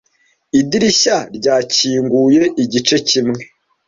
idirishya ryakinguye igice kimwe